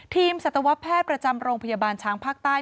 สัตวแพทย์ประจำโรงพยาบาลช้างภาคใต้